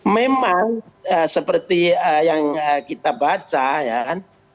memang seperti yang kita baca ya kan